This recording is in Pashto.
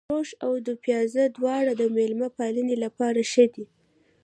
روش او دوپيازه دواړه د مېلمه پالنې لپاره ښه دي.